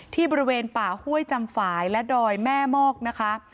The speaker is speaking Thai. ที่บริเวณป่าห้วยจำฝ่ายและดอยแม่มอกนะคะ